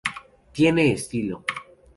Tiene estilo".